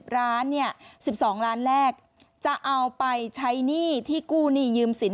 ร้านเนี่ย๑๒ล้านแรกจะเอาไปใช้หนี้ที่กู้หนี้ยืมสิน